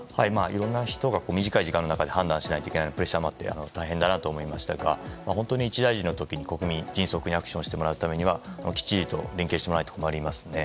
いろんな人が短い時間の中で判断しなきゃいけないプレッシャーもあって大変だなと思いましたが本当に一大事の時に国民に迅速にアクションしてもらうためにはきっちりと連携してもらわないと困りますよね。